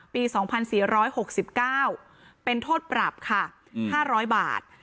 ๒๔๖๙เป็นโทษปรับค่ะ๕๐๐บาท